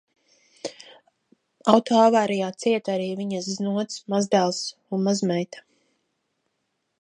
Autoavārijā cieta arī viņas znots, mazdēls un mazmeita.